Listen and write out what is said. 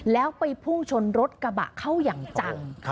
แล้วไปพุ่งชนรถกระบะเข้าอย่างจัง